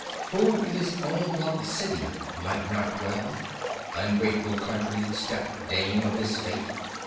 Who in his own loved city might not dwell. Ungrateful country step dame of his fate.